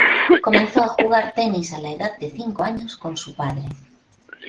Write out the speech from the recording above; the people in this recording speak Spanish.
Comenzó a jugar tenis a la edad de cinco años con su padre.